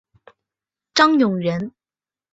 张永人。